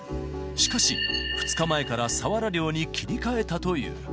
しかし、２日前からサワラ漁に切り替えたという。